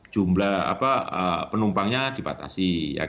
jumlah penumpangnya dibatasi